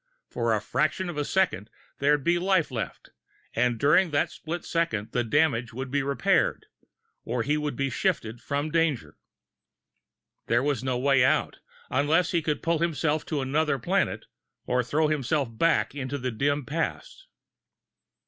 For a fraction of a second, there'd be life left and during that split second, the damage would be repaired, or he would be shifted from danger. There was no way out unless he could pull himself to another planet, or throw himself back into the dim past.